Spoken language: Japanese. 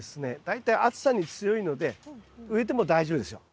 大体暑さに強いので植えても大丈夫ですよ。